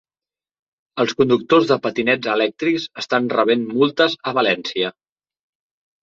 Els conductors de patinets elèctrics estan rebent multes a València